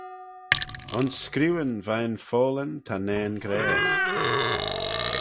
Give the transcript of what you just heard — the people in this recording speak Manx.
Ayns screeuyn veih'n Pholynn ta nane gra.